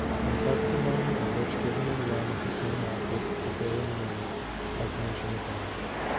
In testimony of which, given in Rome at the same Office, the day and year as men tioned above.